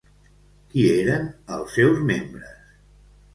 Qui eren els seus membres?